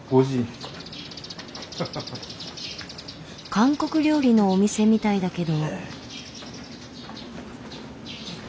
韓国料理のお店みたいだけど。